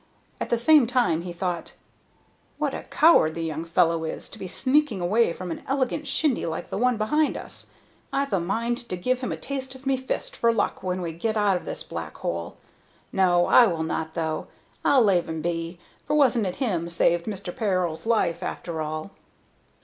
At the same time the thought, "What a coward the young fellow is, to be sneaking away from an elegant shindy like the one behind us! I've a mind to give him a taste of me fist for luck when we get out of this black hole! No, I will not, though. I'll lave him be, for wasn't it him saved Mr. Peril's life, after all?"